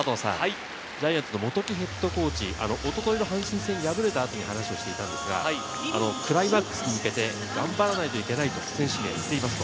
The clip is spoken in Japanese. ジャイアンツの元木ヘッドコーチ、一昨日の阪神戦に敗れた後に話をしていたんですが、クライマックスに向けて頑張らないといけないと選手には言っています。